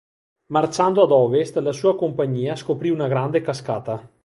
Marciando ad ovest la sua compagnia scoprì una grande cascata.